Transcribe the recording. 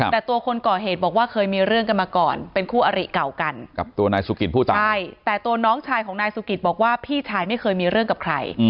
แต่ตัวคนก่อเหตุบอกว่าเคยมีเรื่องกันมาก่อนเป็นคู่อริเก่ากันกับตัวนายสุกิตผู้ตายใช่แต่ตัวน้องชายของนายสุกิตบอกว่าพี่ชายไม่เคยมีเรื่องกับใคร